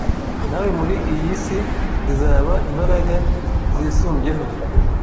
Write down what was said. nawe muri iyi si izaba imbaraga zisumbyeho